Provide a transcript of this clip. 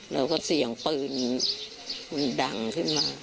แล้วก็เสียงปืนมันดังขึ้นมา